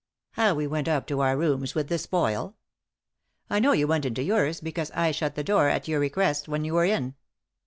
" How we went up to our rooms with the spoil ?"" I know you went into yours, because I shut the door, at your request, when you were in."